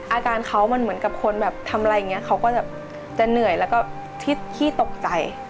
อาการเขามันเหมือนกับคนแบบทำอะไรอย่างนี้เขาก็จะเหนื่อยแล้วก็ขี้ตกใจ